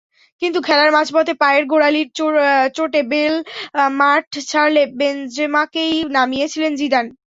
কিন্তু খেলার মাঝপথে পায়ের গোড়ালির চোটে বেল মাঠ ছাড়লে বেনজেমাকেই নামিয়েছিলেন জিদান।